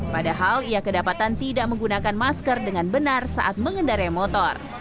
padahal ia kedapatan tidak menggunakan masker dengan benar saat mengendarai motor